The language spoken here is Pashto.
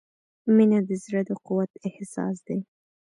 • مینه د زړۀ د قوت احساس دی.